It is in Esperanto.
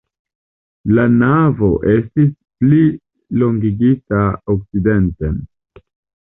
La navo estis plilongigita okcidenten.